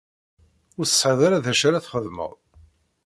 Ur tesɛiḍ ara d acu ara txedmeḍ?